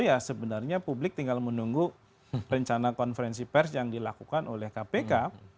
ya sebenarnya publik tinggal menunggu rencana konferensi pers yang dilakukan oleh kpk